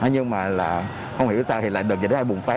nhưng mà là không hiểu sao thì là đợt dịch này bùng phát